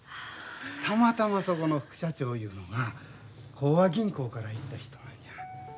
たまたまそこの副社長いうのが興和銀行から行った人なんや。